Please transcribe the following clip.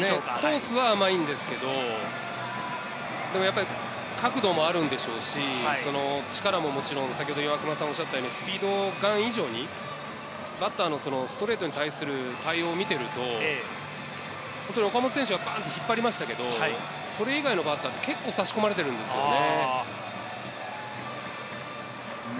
コースは甘いんですけど、角度もあるんでしょうし、力ももちろん、スピードガン以上にバッターのストレートに対する対応を見ていると、岡本選手が引っ張りましたけど、それ以外のバッターって結構差し込まれてるんですよね。